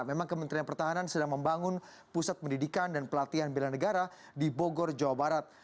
memang kementerian pertahanan sedang membangun pusat pendidikan dan pelatihan bela negara di bogor jawa barat